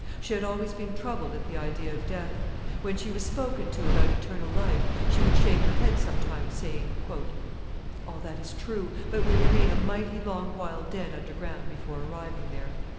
She had always been troubled at the idea of death; when she was spoken to about eternal life, she would shake her head sometimes, saying, "All that is true; but we remain a mighty long while dead underground before arriving there."